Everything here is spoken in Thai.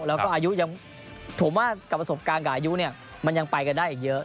แล้วก็อายุยังผมว่ากับประสบการณ์กับอายุเนี่ยมันยังไปกันได้อีกเยอะ